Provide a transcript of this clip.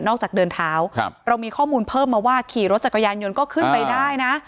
จากเดินเท้าเรามีข้อมูลเพิ่มมาว่าขี่รถจักรยานยนต์ก็ขึ้นไปได้นะ